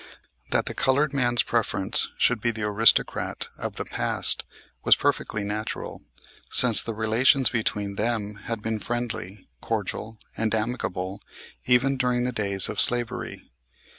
That the colored man's preference should be the aristocrat of the past was perfectly natural, since the relations between them had been friendly, cordial and amicable even during the days of slavery.